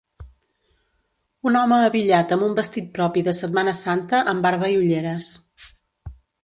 Un home abillat amb un vestit propi de Setmana Santa amb barba i ulleres